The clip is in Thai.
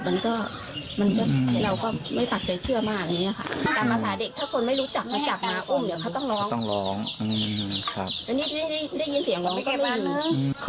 มันก็เราก็ไม่ปักใจเชื่อมากอย่างนี้ค่ะ